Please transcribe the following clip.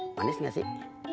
manis gak sih